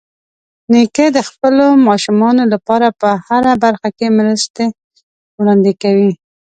نیکه د خپلو ماشومانو لپاره په هره برخه کې مرستې وړاندې کوي.